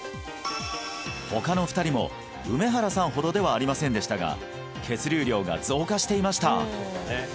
他の２人も梅原さんほどではありませんでしたが血流量が増加していました